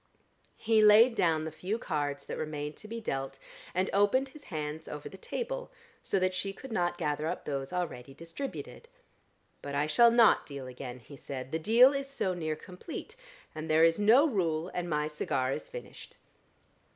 He laid down the few cards that remained to be dealt, and opened his hands over the table, so that she could not gather up those already distributed. "But I shall not deal again," he said, "the deal is so near complete. And there is no rule, and my cigar is finished."